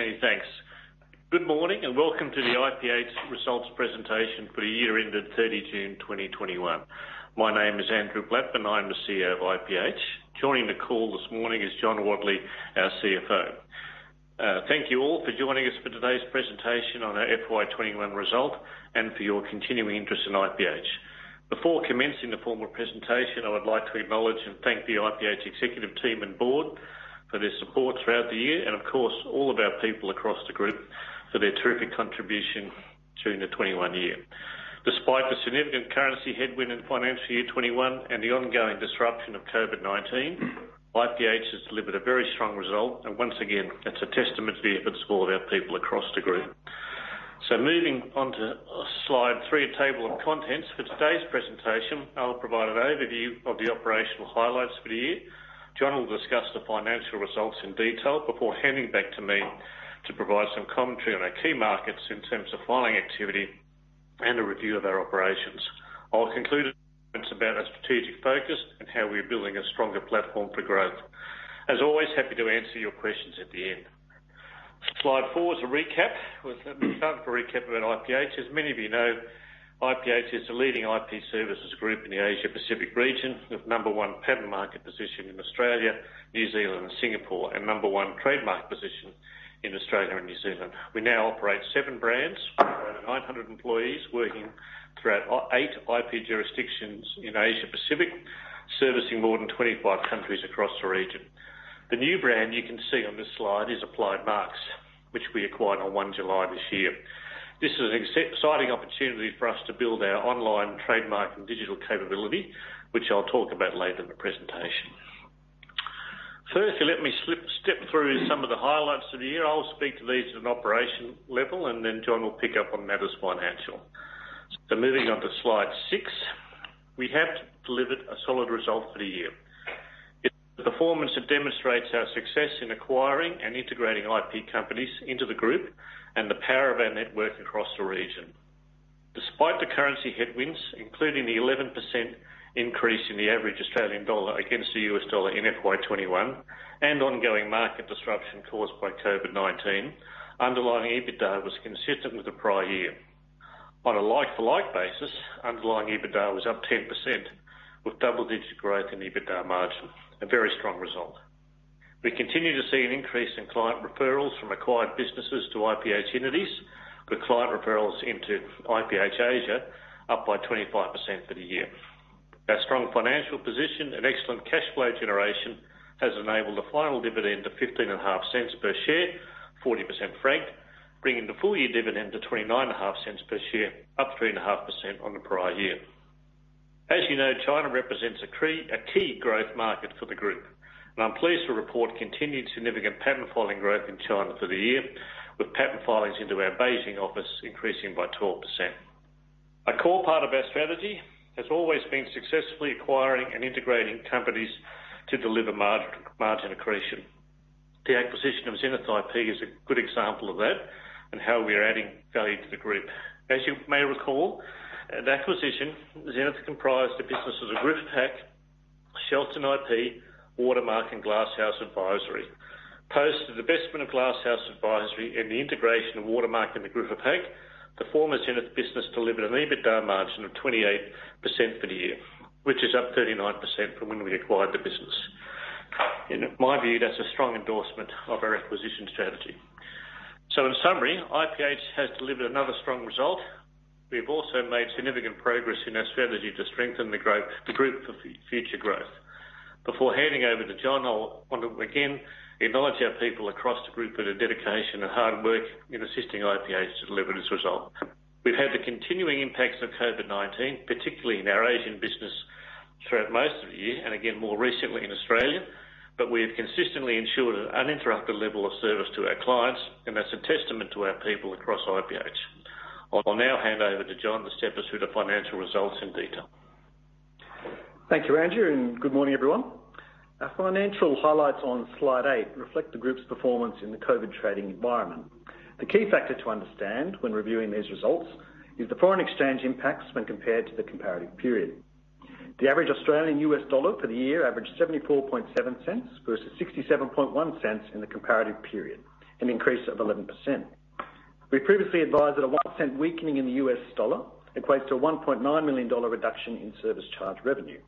Many thanks. Good morning, and welcome to the IPH results presentation for the year ended 30th June 2021. My name is Andrew Blattman, and I'm the CEO of IPH. Joining the call this morning is John Walmsley For today's presentation, I'll provide an overview of the operational highlights for the year. John will discuss the financial results in detail before handing back to me to provide some commentary on our key markets in terms of filing activity and a review of our operations. I'll conclude about our strategic focus and how we're building a stronger platform for growth. As always, happy to answer your questions at the end. Slide 4 is a recap. We'll start with a recap about IPH. As many of you know, IPH is the leading IP services group in the Asia Pacific region, with number 1 patent market position in Australia, New Zealand, and Singapore, and number 1 trademark position in Australia and New Zealand. We now operate 7 brands with over 900 employees working throughout 8 IP jurisdictions in Asia Pacific, servicing more than 25 countries across the region. The new brand you can see on this slide is Applied Marks, which we acquired on 1st July this year. This is an exciting opportunity for us to build our online trademark and digital capability, which I'll talk about later in the presentation. First, let me step through some of the highlights of the year. I'll speak to these at an operation level, and then John will pick up on matters financial. Moving on to slide 6, we have delivered a solid result for the year. It's a performance that demonstrates our success in acquiring and integrating IP companies into the group and the power of our network across the region. Despite the currency headwinds, including the 11% increase in the average Australian dollar against the US dollar in FY 2021, and ongoing market disruption caused by COVID-19, underlying EBITDA was consistent with the prior year. On a like-to-like basis, underlying EBITDA was up 10%, with double-digit growth in EBITDA margin, a very strong result. We continue to see an increase in client referrals from acquired businesses to IPH entities, with client referrals into IPH Asia up by 25% for the year. Our strong financial position and excellent cash flow generation has enabled a final dividend of 0.155 per share, 40% franked, bringing the full-year dividend to 0.295 per share, up 3.5% on the prior year. As you know, China represents a key growth market for the group, and I'm pleased to report continued significant patent filing growth in China for the year, with patent filings into our Beijing office increasing by 12%. A core part of our strategy has always been successfully acquiring and integrating companies to deliver margin accretion. The acquisition of Xenith IP is a good example of that and how we are adding value to the group. As you may recall, at acquisition, Xenith comprised of businesses of Griffith Hack, Shelston IP, Watermark, and Glasshouse Advisory. Post the divestment of Glasshouse Advisory and the integration of Watermark into Griffith Hack, the former Xenith business delivered an EBITDA margin of 28% for the year, which is up 39% from when we acquired the business. In my view, that's a strong endorsement of our acquisition strategy. In summary, IPH has delivered another strong result. We have also made significant progress in our strategy to strengthen the group for future growth. Before handing over to John, I want to again acknowledge our people across the group for their dedication and hard work in assisting IPH to deliver this result. We've had the continuing impacts of COVID-19, particularly in our Asian business throughout most of the year, and again, more recently in Australia, but we have consistently ensured an uninterrupted level of service to our clients, and that's a testament to our people across IPH. I'll now hand over to John to step us through the financial results in detail. Thank you, Andrew, and good morning, everyone. Our financial highlights on slide 8 reflect the group's performance in the COVID trading environment. The key factor to understand when reviewing these results is the foreign exchange impacts when compared to the comparative period. The average Australian U.S. dollar for the year averaged $0.747 versus $0.671 in the comparative period, an increase of 11%. We previously advised that a $0.01 weakening in the U.S. dollar equates to a $1.9 million reduction in service charge revenue.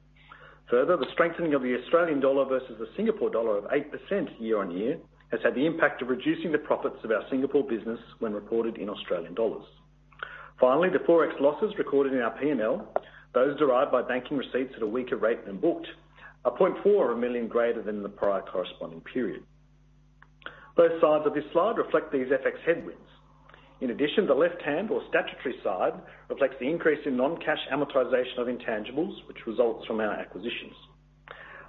The strengthening of the Australian dollar versus the Singapore dollar of 8% year-on-year has had the impact of reducing the profits of our Singapore business when reported in Australian dollars. The ForEx losses recorded in our P&L, those derived by banking receipts at a weaker rate than booked, are 0.4 million greater than the prior corresponding period. Both sides of this slide reflect these FX headwinds. In addition, the left-hand or statutory side reflects the increase in non-cash amortization of intangibles, which results from our acquisitions.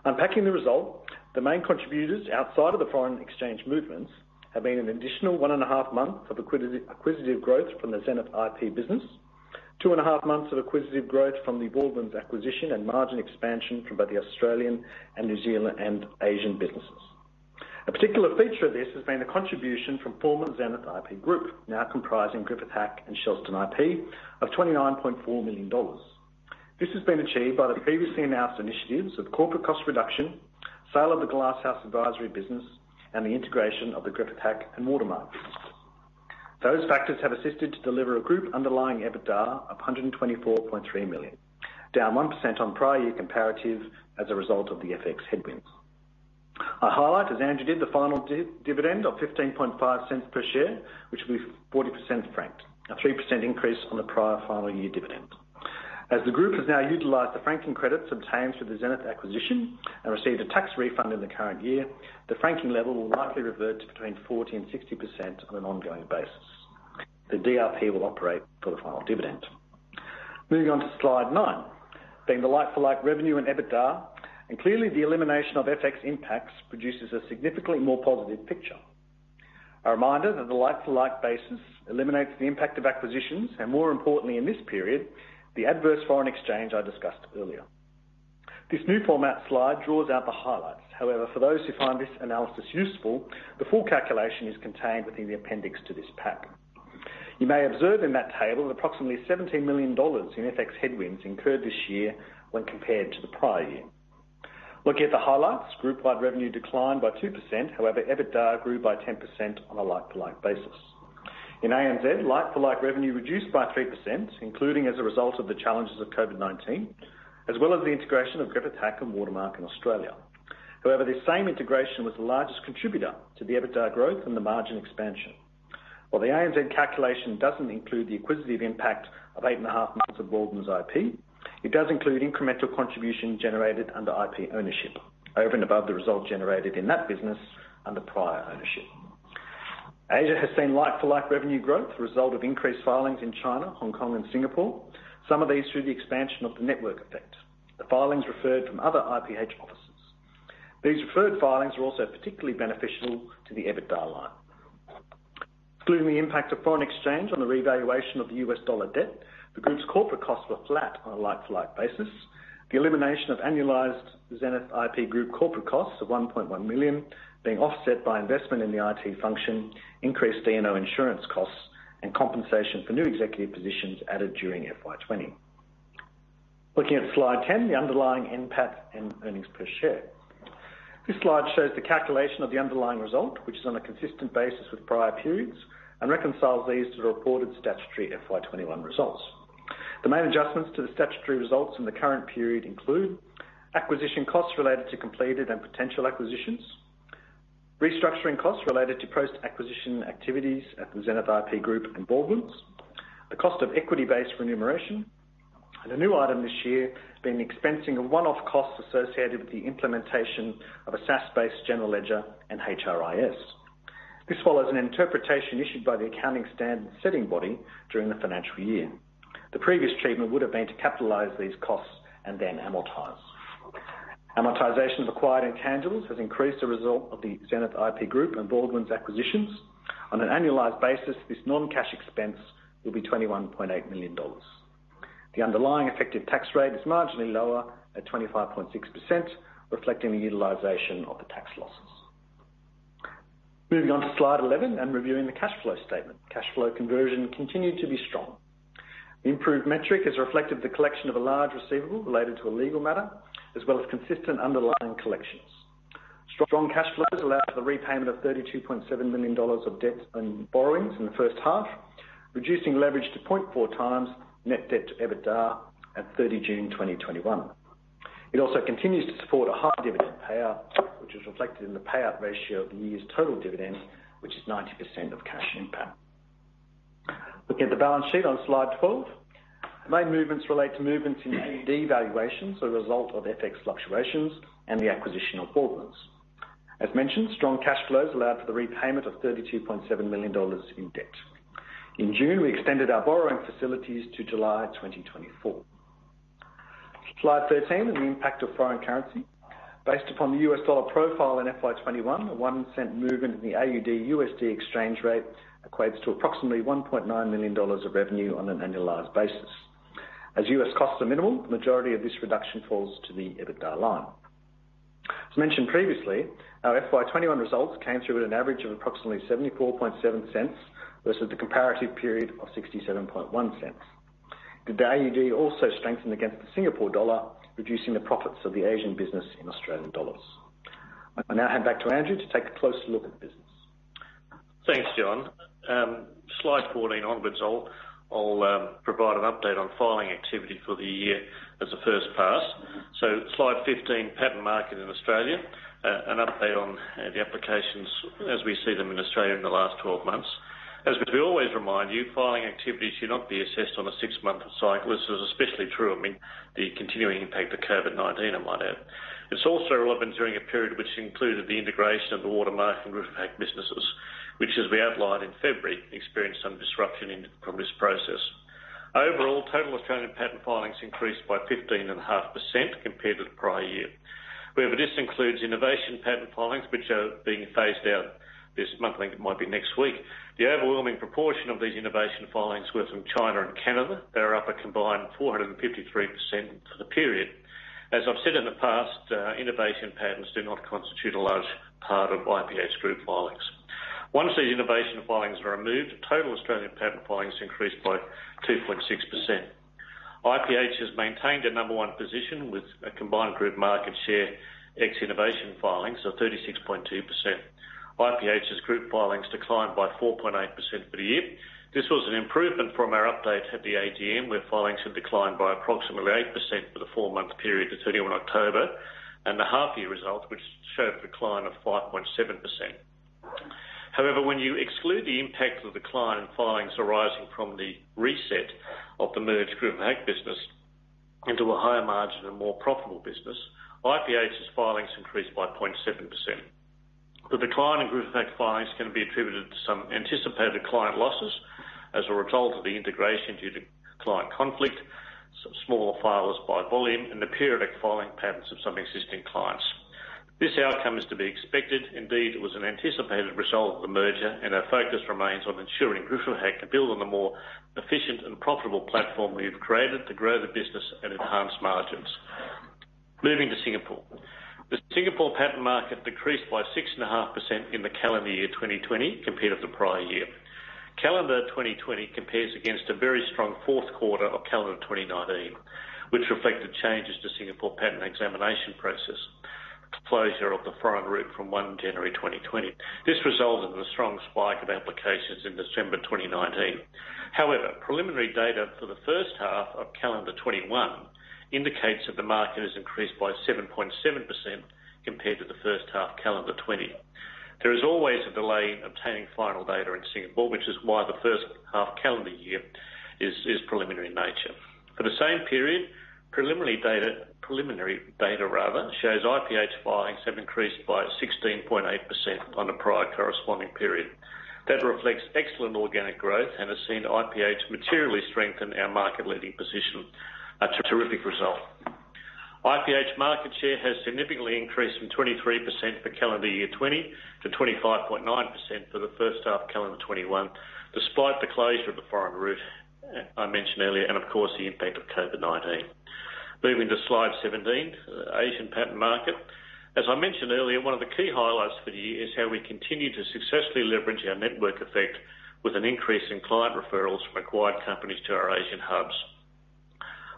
Unpacking the result, the main contributors outside of the foreign exchange movements have been an additional 1.5 months of acquisitive growth from the Xenith IP Group, 2.5 months of acquisitive growth from the Baldwins IP acquisition, and margin expansion from both the Australian and New Zealand and Asian businesses. A particular feature of this has been the contribution from former Xenith IP Group, now comprising Griffith Hack and Shelston IP, of 29.4 million dollars. This has been achieved by the previously announced initiatives of corporate cost reduction, sale of the Glasshouse Advisory business, and the integration of the Griffith Hack and Watermark businesses. Those factors have assisted to deliver a group underlying EBITDA of 124.3 million, down 1% on prior year comparative as a result of the FX headwinds. I highlight, as Andrew did, the final dividend of 0.155 per share, which will be 40% franked, a 3% increase on the prior final year dividend. As the group has now utilized the franking credits obtained through the Xenith acquisition and received a tax refund in the current year, the franking level will likely revert to between 40% and 60% on an ongoing basis. The DRP will operate for the final dividend. Moving on to slide nine, being the like-for-like revenue and EBITDA, and clearly the elimination of FX impacts produces a significantly more positive picture. A reminder that the like-for-like basis eliminates the impact of acquisitions and more importantly in this period, the adverse foreign exchange I discussed earlier. This new format slide draws out the highlights. For those who find this analysis useful, the full calculation is contained within the appendix to this pack. You may observe in that table approximately 17 million dollars in FX headwinds incurred this year when compared to the prior year. Looking at the highlights, group-wide revenue declined by 2%, however, EBITDA grew by 10% on a like-to-like basis. In ANZ, like-for-like revenue reduced by 3%, including as a result of the challenges of COVID-19, as well as the integration of Griffith Hack and Watermark in Australia. However, this same integration was the largest contributor to the EBITDA growth and the margin expansion. While the ANZ calculation doesn't include the acquisitive impact of 8 and a half months of Baldwins IP, it does include incremental contribution generated under IP ownership over and above the result generated in that business under prior ownership. Asia has seen like-for-like revenue growth, a result of increased filings in China, Hong Kong and Singapore, some of these through the expansion of the network effect, the filings referred from other IPH offices. These referred filings were also particularly beneficial to the EBITDA line. Excluding the impact of foreign exchange on the revaluation of the US dollar debt, the group's corporate costs were flat on a like-for-like basis, the elimination of annualized Xenith IP Group corporate costs of 1.1 million being offset by investment in the IT function, increased D&O insurance costs and compensation for new executive positions added during FY 2020. Looking at slide 10, the underlying NPAT and earnings per share. This slide shows the calculation of the underlying result, which is on a consistent basis with prior periods and reconciles these to the reported statutory FY 2021 results. The main adjustments to the statutory results in the current period include acquisition costs related to completed and potential acquisitions, restructuring costs related to post-acquisition activities at the Xenith IP Group and Baldwins, the cost of equity-based remuneration, and a new item this year being the expensing of one-off costs associated with the implementation of a SaaS-based general ledger and HRIS. This follows an interpretation issued by the Accounting Standards Setting Board during the financial year. The previous treatment would have been to capitalize these costs and then amortize. Amortization of acquired intangibles has increased the result of the Xenith IP Group and Baldwins acquisitions. On an annualized basis, this non-cash expense will be 21.8 million dollars. The underlying effective tax rate is marginally lower at 25.6%, reflecting the utilization of the tax losses. Moving on to slide 11 and reviewing the cash flow statement. Cash flow conversion continued to be strong. The improved metric is reflective of the collection of a large receivable related to a legal matter, as well as consistent underlying collections. Strong cash flows allowed for the repayment of 32.7 million dollars of debt and borrowings in the first half, reducing leverage to 0.4 times net debt to EBITDA at 30 June 2021. It also continues to support a high dividend payout, which is reflected in the payout ratio of the year's total dividend, which is 90% of cash NPAT. Looking at the balance sheet on slide 12. The main movements relate to movements in AUD valuations as a result of FX fluctuations and the acquisition of Baldwins. As mentioned, strong cash flows allowed for the repayment of AUD 32.7 million in debt. In June, we extended our borrowing facilities to July 2024. Slide 13 on the impact of foreign currency. Based upon the U.S. dollar profile in FY 2021, an AUD 0.01 movement in the AUD/USD exchange rate equates to approximately $1.9 million of revenue on an annualized basis. As U.S. costs are minimal, the majority of this reduction falls to the EBITDA line. As mentioned previously, our FY 2021 results came through at an average of approximately 0.747 versus the comparative period of 0.671. The AUD also strengthened against the Singapore dollar, reducing the profits of the IPH Asia business in Australian dollars. I now hand back to Andrew to take a closer look at the business. Thanks, John. Slide 14 onwards, I'll provide an update on filing activity for the year as a first pass. Slide 15, patent market in Australia, an update on the applications as we see them in Australia in the last 12 months. As we always remind you, filing activity should not be assessed on a six-month cycle. This is especially true amid the continuing impact that COVID-19 might have. It's also relevant during a period which included the integration of the Watermark and Griffith Hack businesses, which, as we outlined in February, experienced some disruption from this process. Overall, total Australian patent filings increased by 15.5% compared to the prior year. However, this includes innovation patent filings, which are being phased out this month, I think it might be next week. The overwhelming proportion of these innovation filings were from China and Canada. They're up a combined 453% for the period. As I've said in the past, innovation patents do not constitute a large part of IPH's group filings. Once these innovation filings are removed, total Australian patent filings increased by 2.6%. IPH has maintained a number one position with a combined group market share ex innovation filings of 36.2%. IPH's group filings declined by 4.8% for the year. This was an improvement from our update at the AGM, where filings had declined by approximately 8% for the 4-month period to 31 October, and the half-year results, which showed a decline of 5.7%. However, when you exclude the impact of the decline in filings arising from the reset of the merged Griffith Hack business into a higher margin and more profitable business, IPH's filings increased by 0.7%. The decline in Griffith Hack filings can be attributed to some anticipated client losses as a result of the integration due to client conflict, some smaller filers by volume, and the periodic filing patterns of some existing clients. This outcome is to be expected. Indeed, it was an anticipated result of the merger, and our focus remains on ensuring Griffith Hack can build on the more efficient and profitable platform we've created to grow the business and enhance margins. Moving to Singapore. The Singapore patent market decreased by 6.5% in the calendar year 2020 compared to the prior year. Calendar 2020 compares against a very strong fourth quarter of calendar 2019, which reflected changes to Singapore patent examination process, closure of the foreign route from 1st January 2020. This resulted in a strong spike of applications in December 2019. Preliminary data for the first half of calendar 2021 indicates that the market has increased by 7.7% compared to the first half calendar 2020. There is always a delay in obtaining final data in Singapore, which is why the first half calendar year is preliminary in nature. For the same period, preliminary data shows IPH filings have increased by 16.8% on the prior corresponding period. That reflects excellent organic growth and has seen IPH materially strengthen our market-leading position. A terrific result. IPH market share has significantly increased from 23% for calendar year 2020 to 25.9% for the first half calendar 2021, despite the closure of the foreign route I mentioned earlier, and of course, the impact of COVID-19. Moving to slide 17, Asian patent market. As I mentioned earlier, one of the key highlights for the year is how we continue to successfully leverage our network effect with an increase in client referrals from acquired companies to our Asian hubs.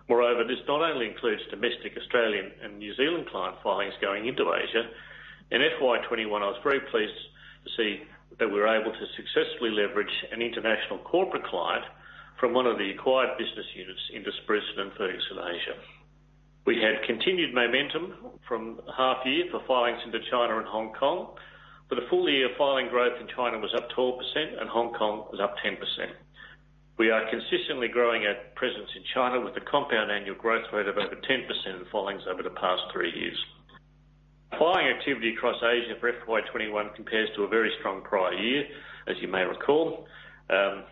Moreover, this not only includes domestic Australian and New Zealand client filings going into Asia. In FY 2021, I was very pleased to see that we were able to successfully leverage an international corporate client from one of the acquired business units into Spruson & Ferguson Asia. We had continued momentum from the half-year for filings into China and Hong Kong. For the full-year filing growth in China was up 12% and Hong Kong was up 10%. We are consistently growing our presence in China with a compound annual growth rate of over 10% in filings over the past three years. Filing activity across Asia for FY 2021 compares to a very strong prior year, as you may recall.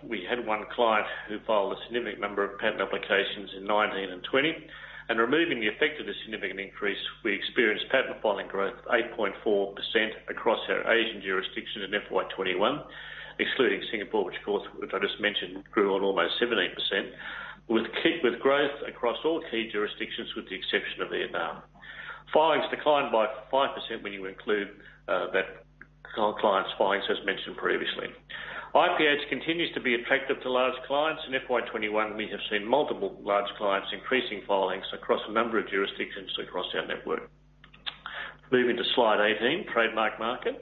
We had one client who filed a significant number of patent applications in 2019 and 2020, removing the effect of the significant increase, we experienced patent filing growth of 8.4% across our Asian jurisdiction in FY 2021, excluding Singapore, which of course, which I just mentioned, grew at almost 17%, with growth across all key jurisdictions with the exception of Vietnam. Filings declined by 5% when you include that client's filings, as mentioned previously. IPH continues to be attractive to large clients. In FY 2021, we have seen multiple large clients increasing filings across a number of jurisdictions across our network. Moving to slide 18, trademark market.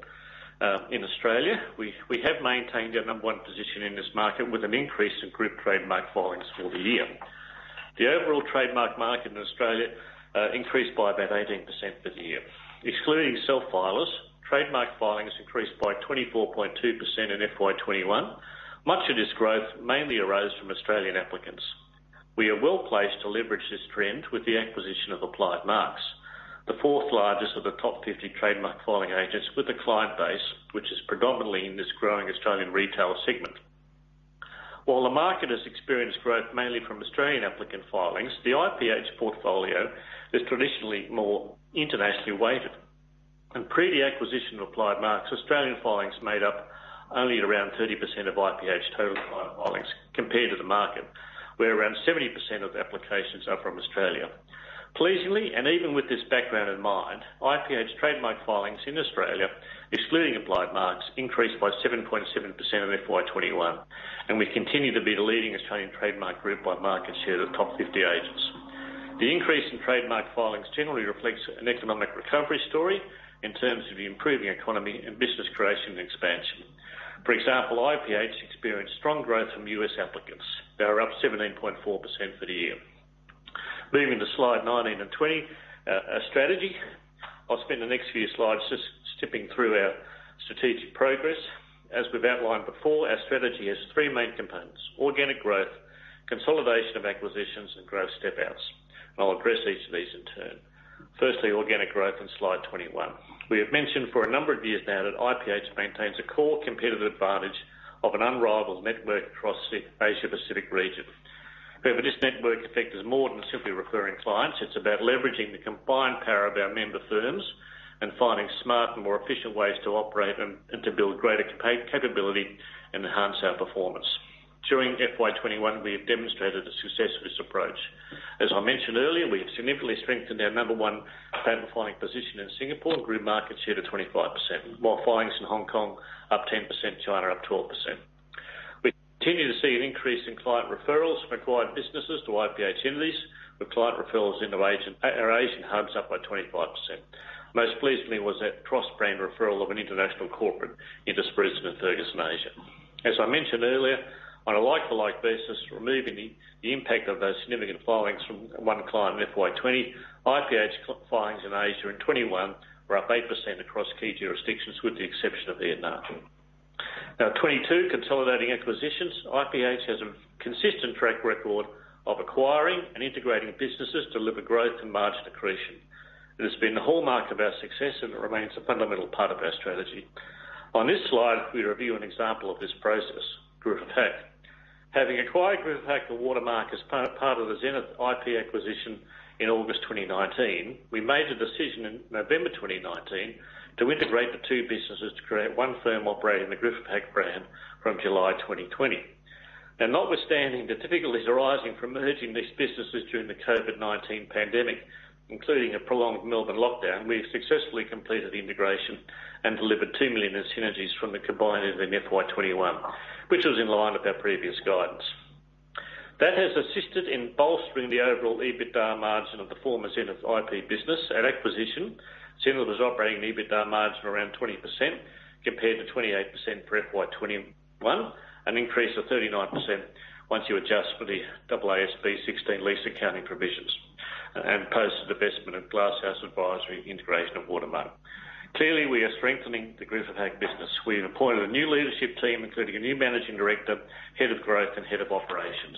In Australia, we have maintained our number 1 position in this market with an increase in group trademark filings for the year. The overall trade mark market in Australia increased by about 18% for the year. Excluding self-filers, trade mark filings increased by 24.2% in FY 2021. Much of this growth mainly arose from Australian applicants. We are well-placed to leverage this trend with the acquisition of Applied Marks, the fourth largest of the top 50 trade mark filing agents with a client base which is predominantly in this growing Australian retail segment. While the market has experienced growth mainly from Australian applicant filings, the IPH portfolio is traditionally more internationally weighted. Pre the acquisition of Applied Marks, Australian filings made up only around 30% of IPH's total client filings compared to the market, where around 70% of applications are from Australia. Pleasingly, even with this background in mind, IPH trademark filings in Australia, excluding Applied Marks, increased by 7.7% in FY 2021, and we continue to be the leading Australian trademark group by market share of the top 50 agents. The increase in trademark filings generally reflects an economic recovery story in terms of the improving economy and business creation and expansion. For example, IPH experienced strong growth from U.S. applicants. They were up 17.4% for the year. Moving to slide 19 and 20, our strategy. I'll spend the next few slides just skipping through our strategic progress. As we've outlined before, our strategy has three main components, organic growth, consolidation of acquisitions, and growth step outs. I'll address each of these in turn. Firstly, organic growth in slide 21. We have mentioned for a number of years now that IPH maintains a core competitive advantage of an unrivaled network across the Asia-Pacific region. However, this network effect is more than simply referring clients. It's about leveraging the combined power of our member firms and finding smarter, more efficient ways to operate and to build greater capability and enhance our performance. During FY 2021, we have demonstrated the success of this approach. As I mentioned earlier, we have significantly strengthened our number one patent filing position in Singapore and grew market share to 25%, while filings in Hong Kong up 10%, China up 12%. We continue to see an increase in client referrals from acquired businesses to IPH entities, with client referrals into our Asian hubs up by 25%. Most pleased me was that cross-brand referral of an international corporate into Spruson & Ferguson Asia. As I mentioned earlier, on a like-for-like basis, removing the impact of those significant filings from one client in FY 2020, IPH filings in Asia in FY 2021 were up 8% across key jurisdictions with the exception of Vietnam. FY 2022, consolidating acquisitions. IPH has a consistent track record of acquiring and integrating businesses to deliver growth and margin accretion. It has been the hallmark of our success and it remains a fundamental part of our strategy. On this slide, we review an example of this process, Griffith Hack. Having acquired Griffith Hack and Watermark as part of the Xenith IP Group acquisition in August 2019, we made the decision in November 2019 to integrate the two businesses to create one firm operating the Griffith Hack brand from July 2020. Notwithstanding the difficulties arising from merging these businesses during the COVID-19 pandemic, including a prolonged Melbourne lockdown, we've successfully completed the integration and delivered 2 million in synergies from the combining in FY 2021, which was in line with our previous guidance. That has assisted in bolstering the overall EBITDA margin of the former Xenith IP business. At acquisition, Xenith was operating an EBITDA margin of around 20%, compared to 28% for FY 2021, an increase of 39% once you adjust for the AASB 16 lease accounting provisions, and post the divestment of Glasshouse Advisory and integration of Watermark. Clearly, we are strengthening the Griffith Hack business. We've appointed a new leadership team, including a new managing director, head of growth, and head of operations.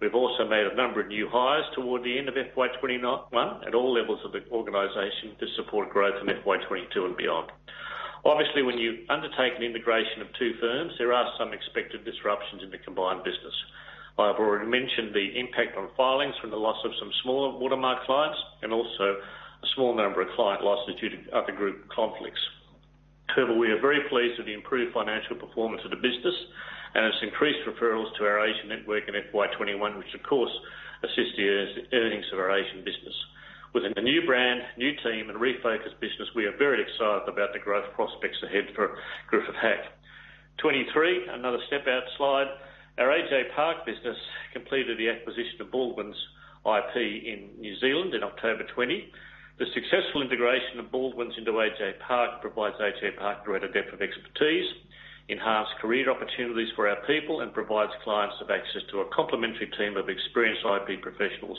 We've also made a number of new hires toward the end of FY 2021 at all levels of the organization to support growth in FY 2022 and beyond. Obviously, when you undertake an integration of two firms, there are some expected disruptions in the combined business. I've already mentioned the impact on filings from the loss of some smaller Watermark clients, and also a small number of client losses due to other group conflicts. However, we are very pleased with the improved financial performance of the business and its increased referrals to our Asian network in FY 2021, which of course assists the earnings of our Asian business. With a new brand, new team, and refocused business, we are very excited about the growth prospects ahead for Griffith Hack. 23, another step-out slide. Our AJ Park business completed the acquisition of Baldwins IP in New Zealand in October 2020. The successful integration of Baldwins into AJ Park provides AJ Park greater depth of expertise, enhanced career opportunities for our people, and provides clients with access to a complementary team of experienced IP professionals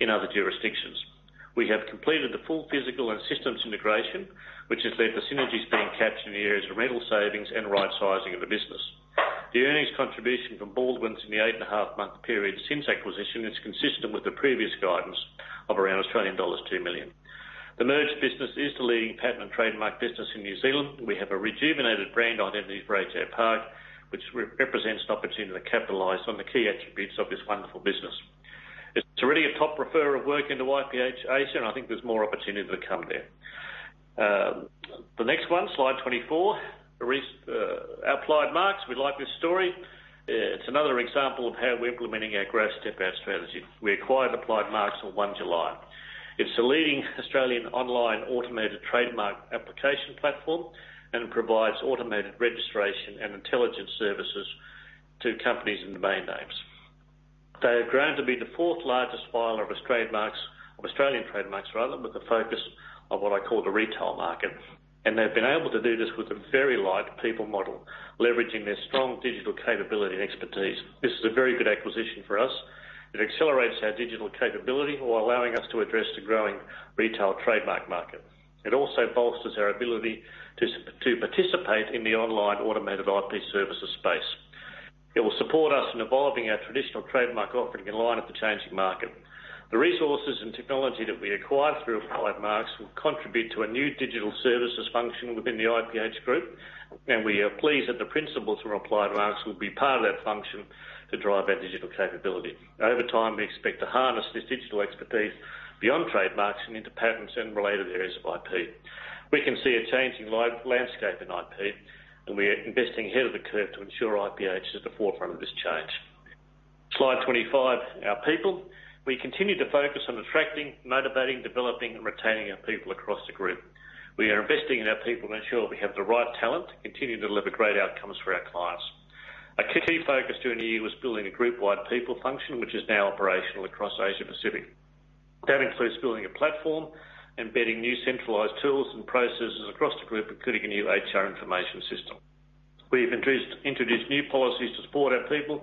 in other jurisdictions. We have completed the full physical and systems integration, which has led to synergies being captured in the areas of rental savings and rightsizing of the business. The earnings contribution from Baldwins in the 8 and a half month period since acquisition is consistent with the previous guidance of around Australian dollars 2 million. The merged business is the leading patent and trademark business in New Zealand. We have a rejuvenated brand identity for AJ Park, which represents an opportunity to capitalize on the key attributes of this wonderful business. It's already a top referrer of work into IPH Asia, and I think there's more opportunity to come there. The next one, slide 24. Applied Marks. We like this story. It's another example of how we're implementing our growth step-out strategy. We acquired Applied Marks on the 1st July. It's a leading Australian online automated trademark application platform and provides automated registration and intelligence services to companies and domain names. They have grown to be the fourth largest filer of Australian trademarks, with a focus on what I call the retail market. They've been able to do this with a very light people model, leveraging their strong digital capability and expertise. This is a very good acquisition for us. It accelerates our digital capability while allowing us to address the growing retail trademark market. It also bolsters our ability to participate in the online automated IPH services space. It will support us in evolving our traditional trademark offering in line with the changing market. The resources and technology that we acquire through Applied Marks will contribute to a new digital services function within the IPH group, and we are pleased that the principals from Applied Marks will be part of that function to drive our digital capability. Over time, we expect to harness this digital expertise beyond trademarks and into patents and related areas of IP. We can see a changing landscape in IP, and we are investing ahead of the curve to ensure IPH is at the forefront of this change. Slide 25, our people. We continue to focus on attracting, motivating, developing, and retaining our people across the group. We are investing in our people to ensure we have the right talent to continue to deliver great outcomes for our clients. A key focus during the year was building a groupwide people function, which is now operational across Asia Pacific. That includes building a platform, embedding new centralized tools and processes across the group, including a new HR information system. We've introduced new policies to support our people,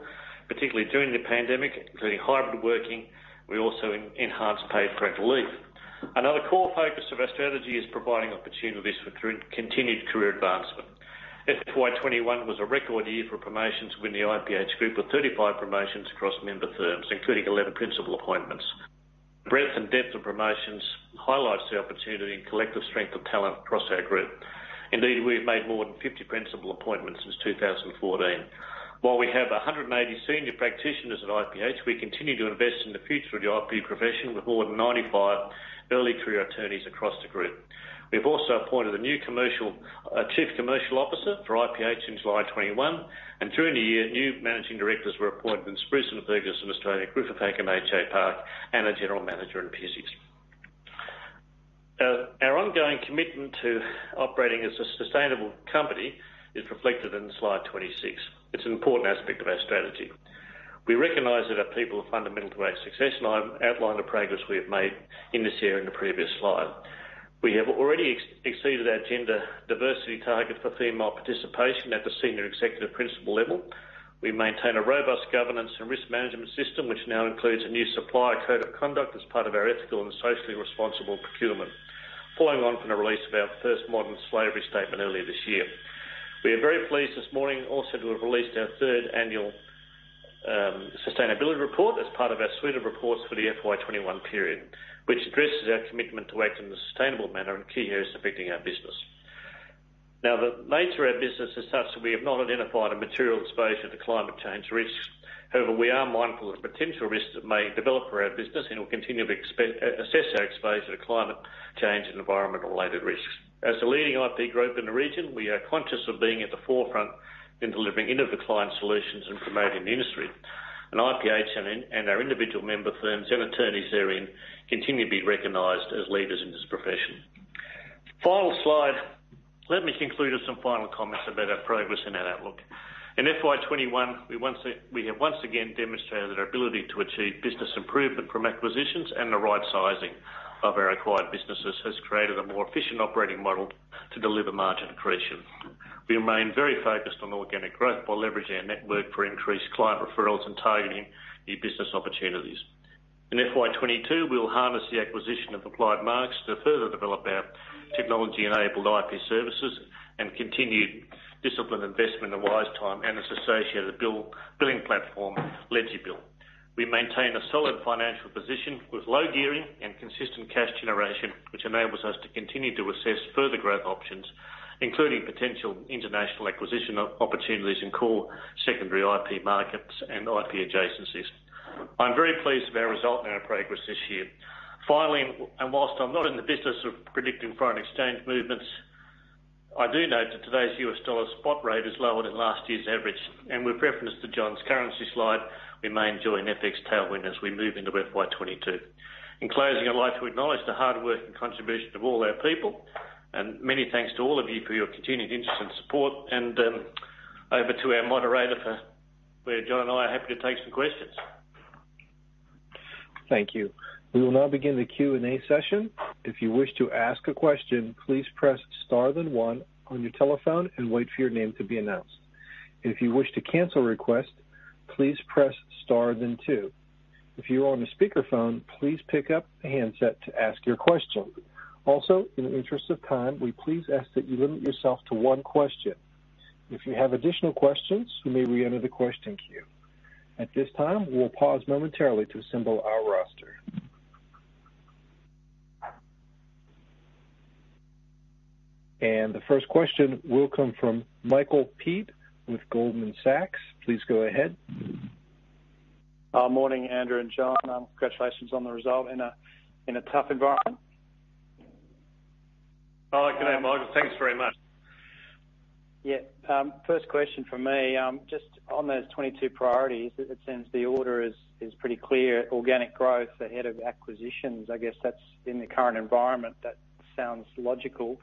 particularly during the pandemic, including hybrid working. We also enhanced paid parental leave. Another core focus of our strategy is providing opportunities for continued career advancement. FY 2021 was a record year for promotions within the IPH group, with 35 promotions across member firms, including 11 principal appointments. Breadth and depth of promotions highlights the opportunity and collective strength of talent across our group. Indeed, we have made more than 50 principal appointments since 2014. While we have 180 senior practitioners at IPH, we continue to invest in the future of the IP profession with more than 95 early career attorneys across the group. We've also appointed a new Chief Commercial Officer for IPH in July 2021. During the year, new managing directors were appointed in Spruson & Ferguson Australia, Griffith Hack, and AJ Park, and a general manager in Pizzeys. Our ongoing commitment to operating as a sustainable company is reflected in slide 26. It's an important aspect of our strategy. We recognize that our people are fundamental to our success, and I've outlined the progress we have made in this area in the previous slide. We have already exceeded our gender diversity target for female participation at the senior executive principal level. We maintain a robust governance and risk management system, which now includes a new Supplier Code of Conduct as part of our ethical and socially responsible procurement, following on from the release of our first Modern Slavery Statement earlier this year. We are very pleased this morning also to have released our third annual sustainability report as part of our suite of reports for the FY 2021 period, which addresses our commitment to act in a sustainable manner in key areas affecting our business. The nature of our business is such that we have not identified a material exposure to climate change risks. We are mindful of potential risks that may develop for our business and will continue to assess our exposure to climate change and environmental-related risks. As a leading IP group in the region, we are conscious of being at the forefront in delivering innovative client solutions and promoting the industry. IPH and our individual member firms and attorneys therein continue to be recognized as leaders in this profession. Final slide. Let me conclude with some final comments about our progress and our outlook. In FY 2021, we have once again demonstrated that our ability to achieve business improvement from acquisitions and the right sizing of our acquired businesses has created a more efficient operating model to deliver margin accretion. We remain very focused on organic growth while leveraging our network for increased client referrals and targeting new business opportunities. In FY 2022, we'll harness the acquisition of Applied Marks to further develop our technology-enabled IP services and continued disciplined investment in WiseTime and its associated billing platform, Letzbill. We maintain a solid financial position with low gearing and consistent cash generation, which enables us to continue to assess further growth options, including potential international acquisition opportunities in core secondary IP markets and IP adjacencies. I'm very pleased with our result and our progress this year. Finally, whilst I'm not in the business of predicting foreign exchange movements, I do note that today's US dollar spot rate is lower than last year's average. With reference to John's currency slide, we may enjoy an FX tailwind as we move into FY 2022. In closing, I'd like to acknowledge the hard work and contribution of all our people. Many thanks to all of you for your continued interest and support. Over to our moderator, where John and I are happy to take some questions. Thank you. We will now begin the Q&A session. If you wish to ask a question, please press star then one on your telephone and wait for your name to be announced. If you wish to cancel a request, please press star then two. If you are on a speakerphone, please pick up a handset to ask your question. Also, in the interest of time, we please ask that you limit yourself to 1 question. If you have additional questions, you may reenter the question queue. At this time, we will pause momentarily to assemble our roster. The first question will come from Michael Peet with Goldman Sachs. Please go ahead. Morning, Andrew and John. Congratulations on the result in a tough environment. Oh, good day, Michael. Thanks very much. First question from me. Just on those 22 priorities, it seems the order is pretty clear. Organic growth ahead of acquisitions. That's in the current environment, that sounds logical.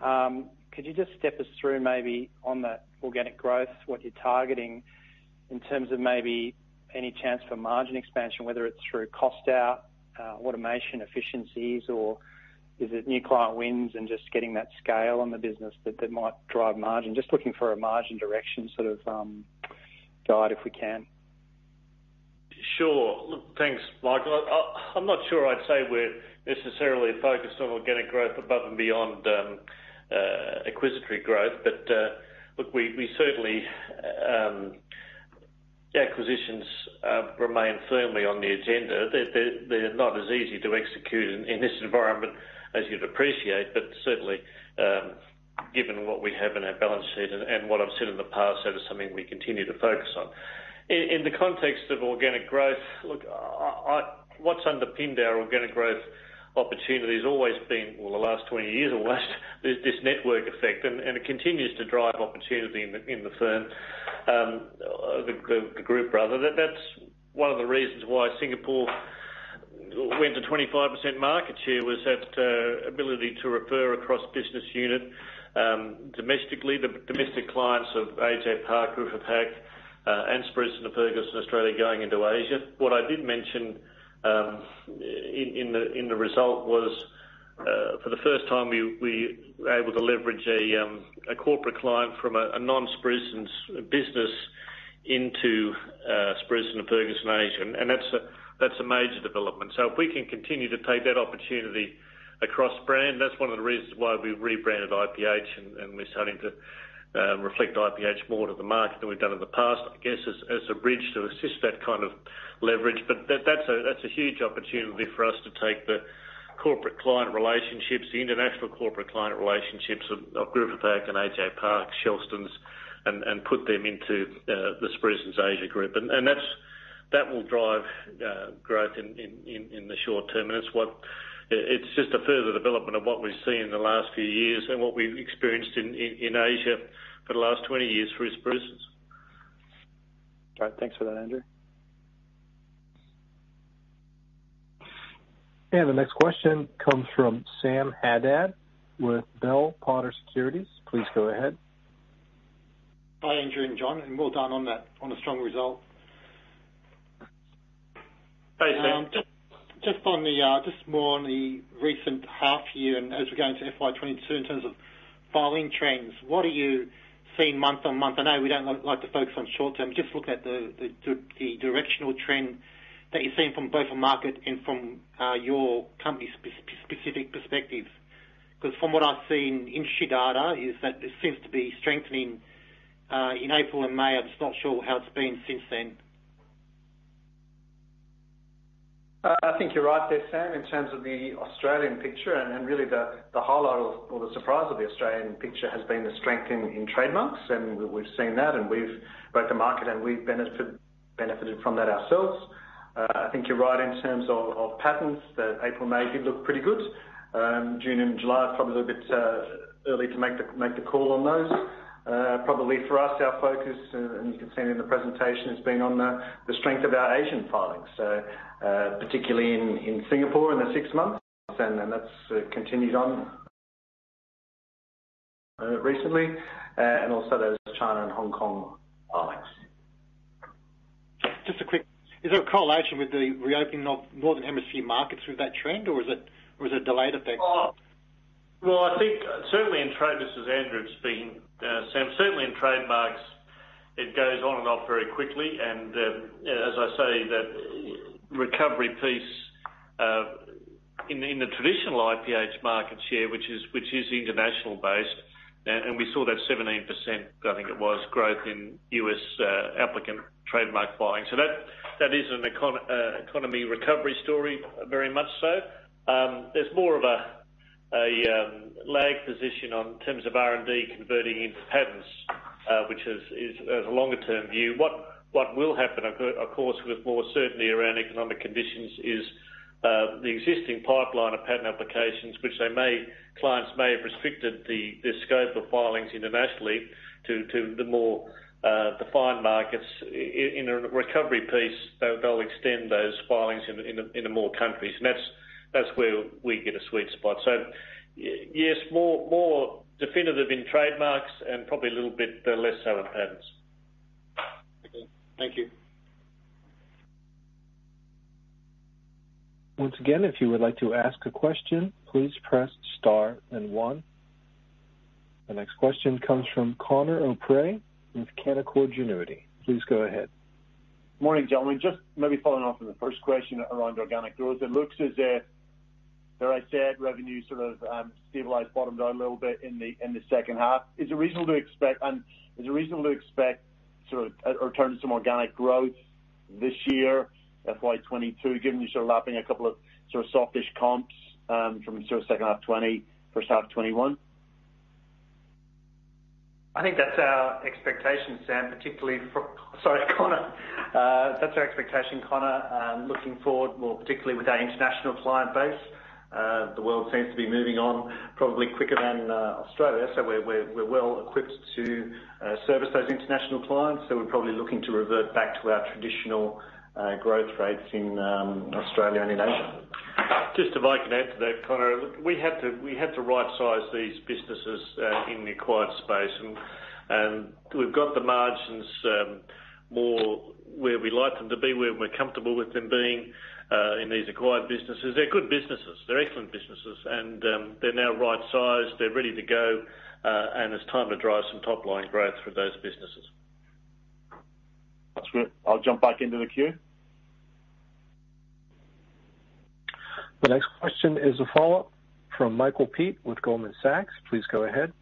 Could you just step us through maybe on the organic growth, what you're targeting in terms of maybe any chance for margin expansion, whether it's through cost out, automation efficiencies, or is it new client wins and just getting that scale in the business that might drive margin? Just looking for a margin direction sort of guide if we can. Sure. Look, thanks, Michael. I'm not sure I'd say we're necessarily focused on organic growth above and beyond acquisitory growth. Look, acquisitions remain firmly on the agenda. They're not as easy to execute in this environment as you'd appreciate. Certainly, given what we have in our balance sheet and what I've said in the past, that is something we continue to focus on. In the context of organic growth, look, what's underpinned our organic growth opportunity has always been, well, the last 20 years or whatever, there's this network effect, and it continues to drive opportunity in the firm, the group rather. That's one of the reasons why Singapore went to 25% market share, was that ability to refer across business unit domestically. The domestic clients of AJ Park, Griffith Hack, and Spruson & Ferguson Australia going into Asia. What I did mention in the result was for the first time, we were able to leverage a corporate client from a non-Spruson's business into Spruson & Ferguson Asia, and that's a major development. If we can continue to take that opportunity across brand, that's one of the reasons why we rebranded IPH and we're starting to reflect IPH more to the market than we've done in the past, I guess, as a bridge to assist that kind of leverage. That's a huge opportunity for us to take the corporate client relationships, the international corporate client relationships of Griffith Hack and AJ Park, Shelston's, and put them into the Spruson's Asia group. That will drive growth in the short term, and it's just a further development of what we've seen in the last few years and what we've experienced in Asia for the last 20 years for Spruson. All right. Thanks for that, Andrew. The next question comes from Sam Haddad with Bell Potter Securities. Please go ahead. Hi, Andrew and John. Well done on the strong result. Thanks, Sam. Just more on the recent half year and as we go into FY 2022 in terms of filing trends, what are you seeing month-on-month? I know we don't like to focus on short-term. Just looking at the directional trend that you're seeing from both the market and from your company's specific perspective. From what I've seen, industry data is that it seems to be strengthening in April and May. I'm just not sure how it's been since then. I think you're right there, Sam, in terms of the Australian picture. Really the highlight or the surprise of the Australian picture has been the strength in trademarks and we've seen that and we've broke the market and we've benefited from that ourselves. I think you're right in terms of patents, that April/May did look pretty good. June and July, it is probably a little bit early to make the call on those. For us, our focus, and you can see it in the presentation, has been on the strength of our Asian filings. Particularly in Singapore in the six months, and that has continued on recently. Also those China and Hong Kong filings. Just a quick, is there a correlation with the reopening of northern hemisphere markets with that trend, or is it a delayed effect? I think certainly in trade, this is Andrew speaking. Sam, certainly in trademarks, it goes on and off very quickly and as I say, that recovery piece in the traditional IPH market share, which is international based, and we saw that 17%, I think it was, growth in U.S. applicant trademark filings. That is an economy recovery story, very much so. There's more of a lag position in terms of R&D converting into patents, which is a longer-term view. What will happen, of course, with more certainty around economic conditions is the existing pipeline of patent applications, which clients may have restricted the scope of filings internationally to the more defined markets. In a recovery piece, they'll extend those filings into more countries, and that's where we get a sweet spot. Yes, more definitive in trademarks and probably a little bit less so in patents. Okay. Thank you. Once again, if you would like to ask a question, please press star one. The next question comes from Conor O'Prey with Canaccord Genuity. Please go ahead. Morning, gentlemen. Just maybe following off from the 1st question around organic growth. It looks as though, as I said, revenue sort of stabilized, bottomed out a little bit in the 2nd half. Is it reasonable to expect sort of a return to some organic growth this year, FY 2022, given you're sort of lapping 2 of sort of softish comps from sort of 2nd half FY 2020, 1st half FY 2021? I think that's our expectation, Sam, particularly for Sorry, Conor. That's our expectation, Conor. Looking forward, more particularly with our international client base. The world seems to be moving on probably quicker than Australia, so we're well equipped to service those international clients. We're probably looking to revert back to our traditional growth rates in Australia and in Asia. Just if I can add to that, Conor. We had to right-size these businesses in the acquired space, and we've got the margins more where we like them to be, where we're comfortable with them being in these acquired businesses. They're good businesses. They're excellent businesses, and they're now right-sized. They're ready to go, and it's time to drive some top-line growth for those businesses. That's good. I'll jump back into the queue. The next question is a follow-up from Michael Peet with Goldman Sachs. Please go ahead.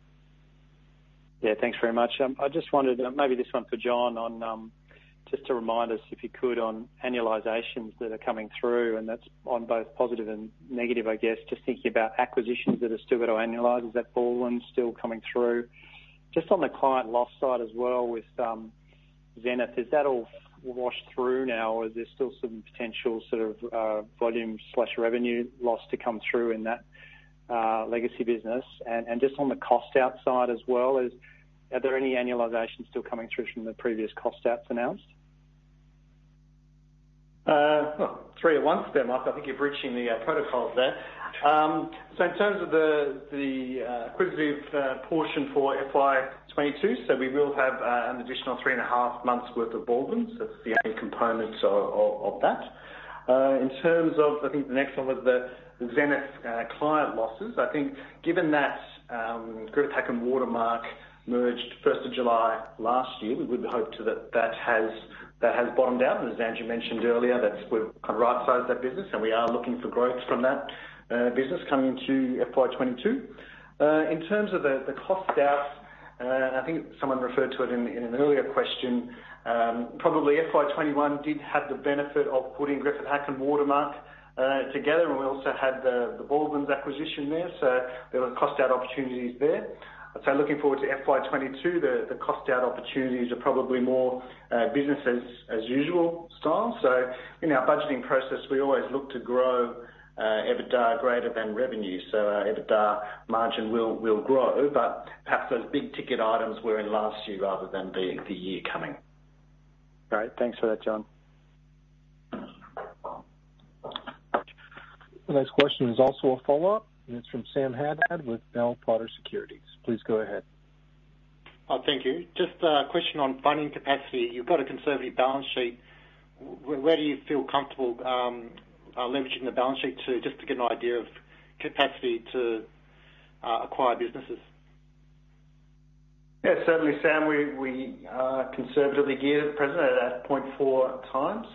Yeah, thanks very much. I just wondered, maybe this one's for John, just to remind us, if you could, on annualizations that are coming through, and that's on both positive and negative, I guess. Just thinking about acquisitions that are still got to annualize. Is that Baldwin still coming through? Just on the client loss side as well with Xenith. Has that all washed through now or is there still some potential sort of volume/revenue loss to come through in that legacy business? Just on the cost-out side as well, are there any annualizations still coming through from the previous cost-outs announced? Well, three at once there, Mike. I think you're breaching the protocols there. In terms of the acquisitive portion for FY 2022, we will have an additional three and a half months worth of Baldwins IP. That's the only component of that. In terms of, I think the next one was the Xenith IP Group client losses. I think given that Griffith Hack & Watermark merged 1st of July last year, we would hope that that has bottomed out. As Andrew mentioned earlier, we've right-sized that business, and we are looking for growth from that business coming into FY 2022. In terms of the cost-outs, I think someone referred to it in an earlier question. Probably FY 2021 did have the benefit of putting Griffith Hack & Watermark together, and we also had the Baldwins IP acquisition there. There were cost-out opportunities there. I'd say looking forward to FY 2022, the cost-out opportunities are probably more business as usual style. In our budgeting process, we always look to grow EBITDA greater than revenue. Our EBITDA margin will grow, but perhaps those big-ticket items were in last year rather than the year coming. All right. Thanks for that, John. The next question is also a follow-up, and it's from Sam Haddad with Bell Potter Securities. Please go ahead. Thank you. Just a question on funding capacity. You've got a conservative balance sheet. Where do you feel comfortable leveraging the balance sheet to just to get an idea of capacity to acquire businesses? Yeah, certainly, Sam, we are conservatively geared at present at 0.4 times.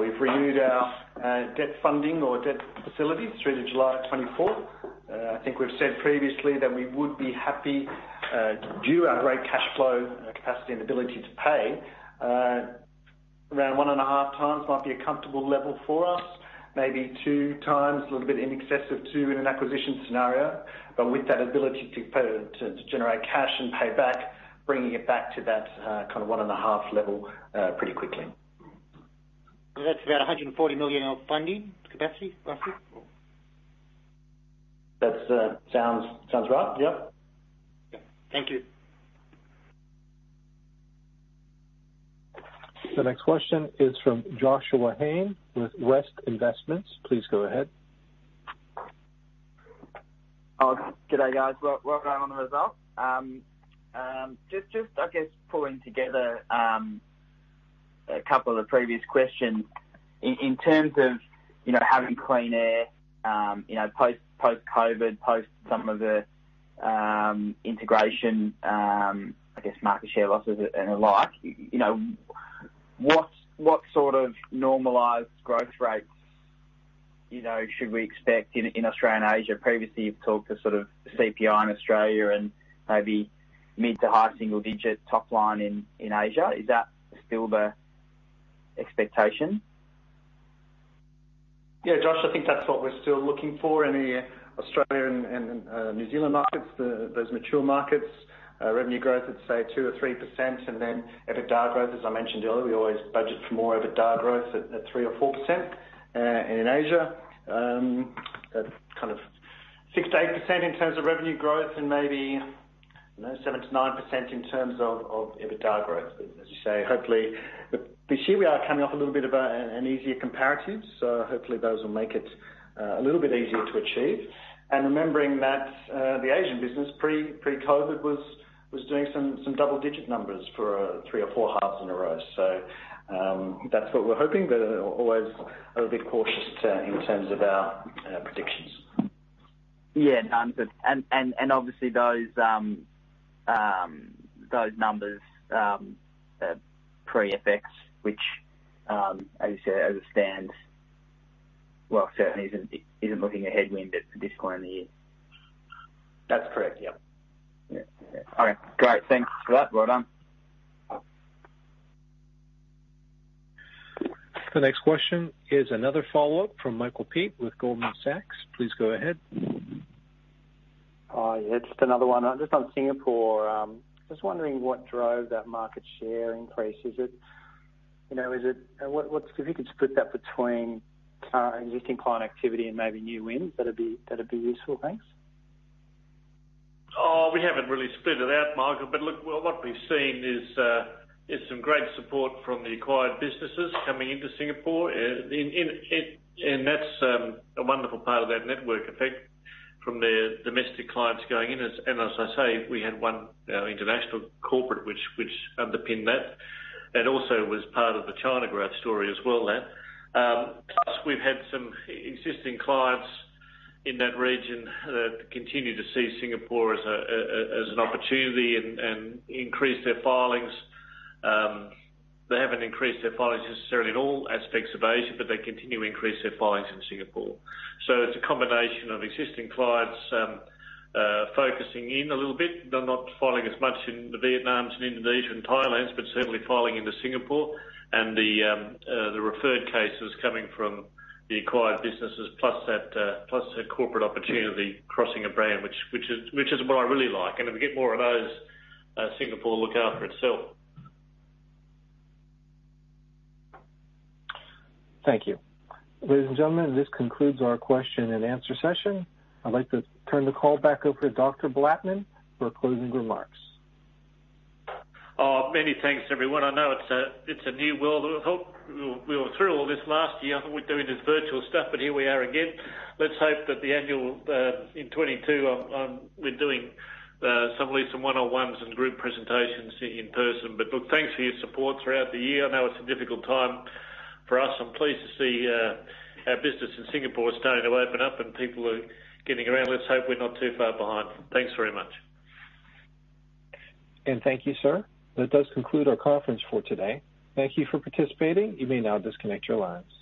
We've renewed our debt funding or debt facility through to July 24th. I think we've said previously that we would be happy due our great cash flow capacity and ability to pay, around 1.5 times might be a comfortable level for us, maybe 2 times, a little bit in excess of 2 in an acquisition scenario. With that ability to generate cash and pay back, bringing it back to that 1.5 level pretty quickly. That's about 140 million of funding capacity roughly? That sounds right. Yep. Okay. Thank you. The next question is from Joshua Hoegh with West Investments. Please go ahead. Oh, good day, guys. Well done on the results. Just, I guess pulling together a couple of previous questions. In terms of having clean air, post-COVID, post some of the integration, I guess market share losses and the like, what sort of normalized growth rates should we expect in Australia and Asia? Previously, you've talked to sort of CPI in Australia and maybe mid to high single digit top line in Asia. Is that still the expectation? Yeah, Josh, I think that's what we're still looking for in the Australia and New Zealand markets, those mature markets, revenue growth at say 2% or 3%, and then EBITDA growth, as I mentioned earlier, we always budget for more EBITDA growth at 3% or 4%. In Asia, that's kind of 6%-8% in terms of revenue growth and maybe, 7%-9% in terms of EBITDA growth. As you say, hopefully, this year we are coming off a little bit of an easier comparative, so hopefully those will make it a little bit easier to achieve. Remembering that the Asian business pre-COVID was doing some double-digit numbers for three or four halves in a row. That's what we're hoping, but always a bit cautious in terms of our predictions. Yeah. Obviously those numbers pre-FX, which, as you say, as it stands, well, certainly isn't looking a headwind at this point in the year. That's correct. Yep. Yeah. All right. Great. Thanks for that. Well done. The next question is another follow-up from Michael Peet with Goldman Sachs. Please go ahead. Yeah, just another one. Just on Singapore, just wondering what drove that market share increase. If you could split that between existing client activity and maybe new wins, that'd be useful. Thanks. We haven't really split it out, Michael. What we've seen is some great support from the acquired businesses coming into Singapore. That's a wonderful part of that network effect from their domestic clients going in. As I say, we had one international corporate which underpinned that, and also was part of the China growth story as well there. We've had some existing clients in that region that continue to see Singapore as an opportunity and increase their filings. They haven't increased their filings necessarily in all aspects of Asia, but they continue to increase their filings in Singapore. It's a combination of existing clients focusing in a little bit. They're not filing as much in the Vietnams and Indonesia and Thailands, but certainly filing into Singapore. The referred cases coming from the acquired businesses, plus that corporate opportunity crossing a brand, which is what I really like. If we get more of those, Singapore will look after itself. Thank you. Ladies and gentlemen, this concludes our question and answer session. I'd like to turn the call back over to Dr. Blattman for closing remarks. Oh, many thanks, everyone. I know it's a new world. We were through all this last year. I thought we're through with this virtual stuff. Here we are again. Let's hope that the annual in 2022, we're doing some 1-on-1s and group presentations in person. Look, thanks for your support throughout the year. I know it's a difficult time for us. I'm pleased to see our business in Singapore starting to open up and people are getting around. Let's hope we're not too far behind. Thanks very much. Thank you, sir. That does conclude our conference for today. Thank you for participating. You may now disconnect your lines.